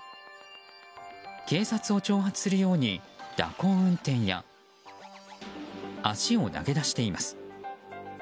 警察を挑発するように蛇行運転や足を投げ出しています。